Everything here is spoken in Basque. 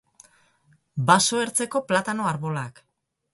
Baso ertzeko platano arbolak.